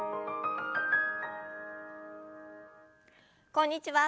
こんにちは